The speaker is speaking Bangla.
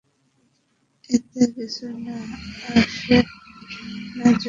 এতে কিছু যায় আসে না যদিও।